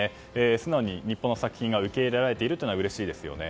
素直に日本の作品が受け入れられているというのはうれしいですよね。